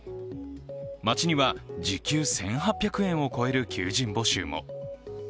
街には時給１８００円を超える求人募集も。